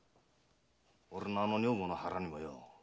俺のあの女房の腹にもよ